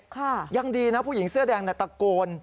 ค่ะยังดีนะผู้หญิงเสื้อแดงตะโกน